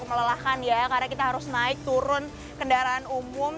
melelahkan ya karena kita harus naik turun kendaraan umum